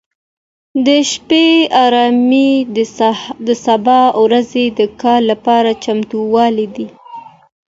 د شپې ارامي د سبا ورځې د کار لپاره چمتووالی دی.